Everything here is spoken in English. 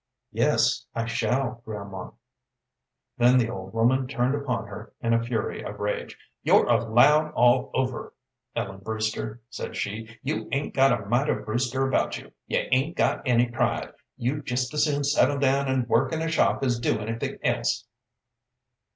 "Yes, I shall, grandma." Then the old woman turned upon her in a fury of rage. "You're a Loud all over, Ellen Brewster," said she. "You 'ain't got a mite of Brewster about you. You 'ain't got any pride! You'd just as soon settle down and work in a shop as do anything else."